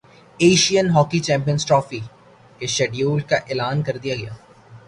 Asian hockey champions trophy کے schedule کا اعلان کردیا گیا